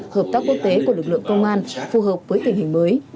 hợp tác quốc tế của lực lượng công an phù hợp với tình hình mới